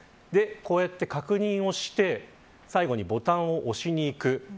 こうやって確認をして最後にボタンを押しに行く。